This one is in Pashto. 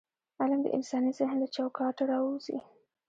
علم د انساني ذهن له چوکاټونه راووځي.